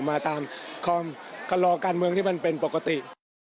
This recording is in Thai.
มาตามคำลอการเมืองที่มันเป็นปกติ